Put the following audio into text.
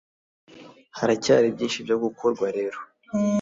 Haracyari byinshi byo gukorwa rero